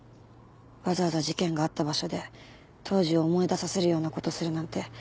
わざわざ事件があった場所で当時を思い出させるようなことするなんて